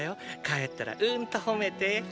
帰ったらうんと褒めて！